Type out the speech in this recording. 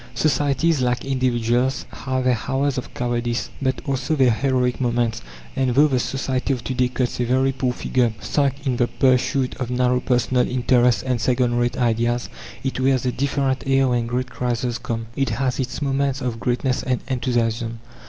Societies, like individuals, have their hours of cowardice, but also their heroic moments; and though the society of to day cuts a very poor figure sunk in the pursuit of narrow personal interests and second rate ideas, it wears a different air when great crises come. It has its moments of greatness and enthusiasm.